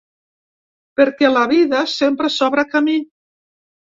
Perquè la vida sempre s’obre camí.